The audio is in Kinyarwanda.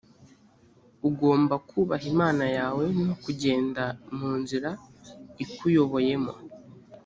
ugomba kubaha imana yawe no kugenda mu nzira ikuyoboyemo